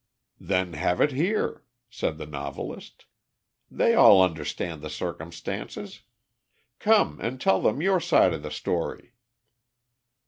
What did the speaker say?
"Then, have it here," said the novelist. "They all understand the circumstances. Come and tell them your side of the story."